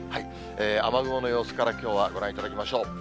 雨雲の様子からきょうはご覧いただきましょう。